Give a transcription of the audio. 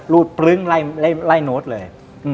รูดปลึ้งไล่โน้ตเลย